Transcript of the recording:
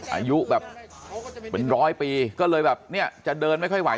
อายุแบบเป็นร้อยปีก็เลยแบบเนี่ยจะเดินไม่ค่อยไหว